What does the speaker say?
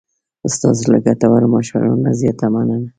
ستاسو له ګټورو مشورو نه زیاته مننه.